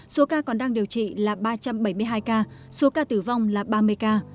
số ca còn đang điều trị là ba trăm bảy mươi hai ca số ca tử vong là ba mươi ca